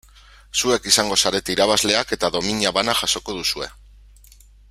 Zuek izango zarete irabazleak eta domina bana jasoko duzue.